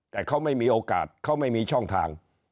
แต่เขาไม่มีโอกาสเขาไม่มีช่องทาง